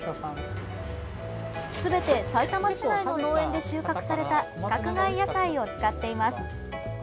すべて、さいたま市内の農園で収穫された規格外野菜を使っています。